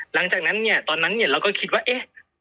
หลังจากนั้นเนี่ยตอนนั้นเนี่ยเราก็คิดว่าเอ๊ะ